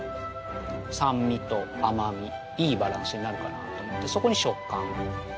酸味と甘みいいバランスになるかなと思ってそこに食感。